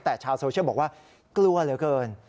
แต่ชาวโซเชียลบอกว่ากลัวเหลือเกิน